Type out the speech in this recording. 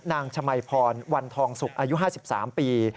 นางชมัยพรวันทองสุกอายุ๕๓ปี